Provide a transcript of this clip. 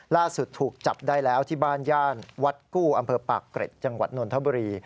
ล่าสุดถูกจับได้แล้วที่บ้านย่านวัดกู้อำเภอปากเกร็ดจังหวัดนนทบุรี